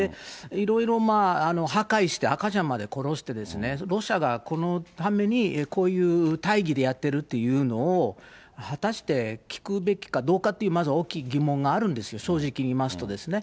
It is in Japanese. いろいろ破壊して、赤ちゃんまで殺して、ロシアがこのために、こういう大義でやってるっていうのを、果たして聞くべきかどうかという、まず大きい疑問があるんですよ、正直言いますとですね。